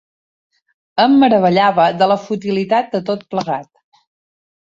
Em meravellava de la futilitat de tot plegat.